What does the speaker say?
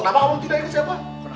kenapa kamu tidak ikut si abah